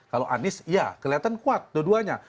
kalau anies ya kelihatan kuat dua duanya